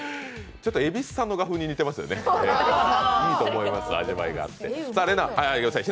蛭子さんの画風に似てますよね、いいと思います、味わいがあって。